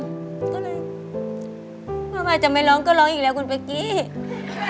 ก็เลยว่าไม่จะไม่ร้องก็ร้องอีกแล้วคุณปะกี้